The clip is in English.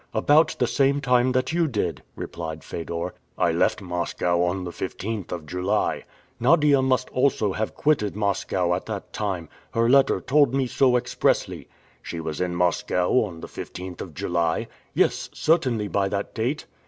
"About the same time that you did," replied Fedor. "I left Moscow on the 15th of July." "Nadia must also have quitted Moscow at that time. Her letter told me so expressly." "She was in Moscow on the 15th of July?" "Yes, certainly, by that date."